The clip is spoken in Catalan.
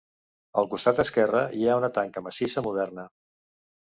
Al costat esquerre hi ha una tanca massissa moderna.